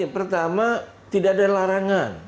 pertama tidak ada larangan